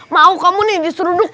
mau kamu nih diseruduk